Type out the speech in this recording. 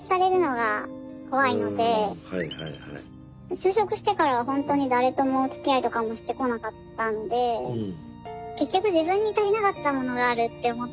就職してからは本当に誰ともおつきあいとかもしてこなかったんで結局自分に足りなかったものがあるって思ってるんですよね